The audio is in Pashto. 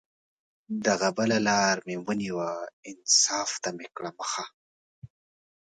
دغه بله لار مې ونیوه، انصاف ته مې کړه مخه